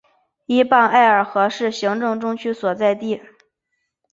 依傍艾尔河是行政中枢所在地。